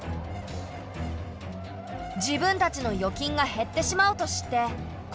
自分たちの預金が減ってしまうと知って国民は猛反発。